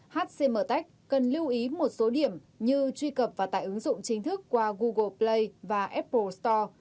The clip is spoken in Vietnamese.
hcmec cần lưu ý một số điểm như truy cập và tải ứng dụng chính thức qua google play và apple store